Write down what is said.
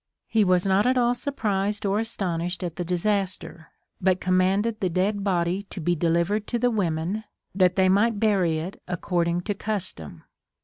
He was not at all surprised or astonished at the disaster, but commanded the dead body to be delivered to the women, that they might bury it according to custom.